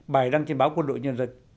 bài đăng trên báo quân đội nhân dân